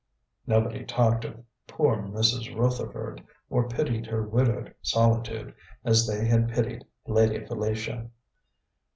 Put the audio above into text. Nobody talked of "poor Mrs. Rutherford," or pitied her widowed solitude, as they had pitied Lady Felicia.